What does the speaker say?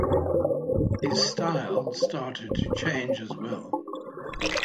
His style started to change as well.